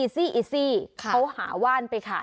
ใช่